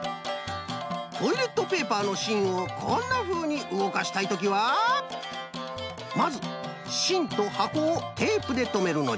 トイレットペーパーのしんをこんなふうにうごかしたいときはまずしんとはこをテープでとめるのじゃ。